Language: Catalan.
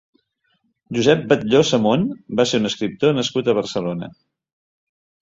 Josep Batlló Samón va ser un escriptor nascut a Barcelona.